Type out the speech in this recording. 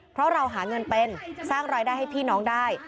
เพราะเราหาเงินเป็นสร้างรายได้ให้พี่น้องได้